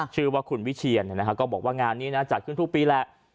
ชื่อว่าคุณวิเชียนก็บอกว่างานนี้นะจัดขึ้นทุกปีแหละ